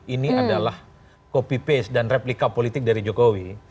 ini adalah copy paste dan replika politik dari jokowi